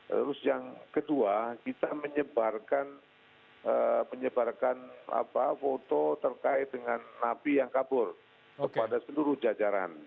terus yang kedua kita menyebarkan foto terkait dengan napi yang kabur kepada seluruh jajaran